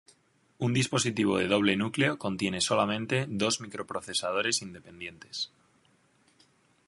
Un dispositivo de doble núcleo contiene solamente dos microprocesadores independientes.